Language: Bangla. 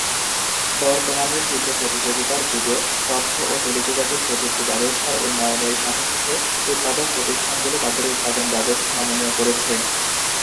বর্তমানের তীব্র প্রতিযোগিতার যুগে, তথ্য ও টেলিযোগাযোগ প্রযুক্তি ব্যবস্থার উন্নয়নের সাথে সাথে উৎপাদক প্রতিষ্ঠানগুলি তাদের উৎপাদন ব্যবস্থা নমনীয় করেছে।